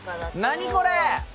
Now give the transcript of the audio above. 何これ！？